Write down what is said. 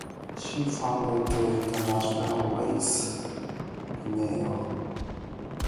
She founded the International Lace Biennale.